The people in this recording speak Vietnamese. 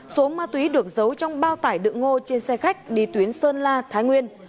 số ma túy được giấu trong bao tải đựng ngô trên xe khách đi tuyến sơn la thái nguyên